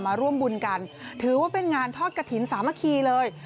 มาร่วมบุญกันถือว่าเป็นงานทอดกระถิ่นสามัคคีเลย